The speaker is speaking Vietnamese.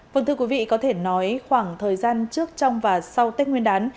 vâng thưa quý vị có thể nói khoảng thời gian trước trong và sau tết nguyên đán